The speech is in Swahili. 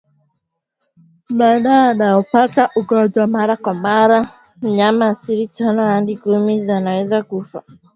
Maeneo yanayopata ugonjwa mara kwa mara wanyama asili tano hadi kumi wanaweza kufa